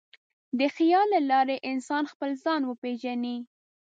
د خیال له لارې انسان خپل ځان وپېژني.